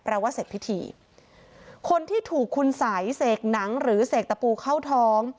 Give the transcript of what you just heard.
ว่าเสร็จพิธีคนที่ถูกคุณสัยเสกหนังหรือเสกตะปูเข้าท้อง